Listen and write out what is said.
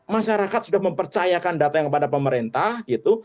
masyarakat sudah mempercayakan data yang kepada pemerintah gitu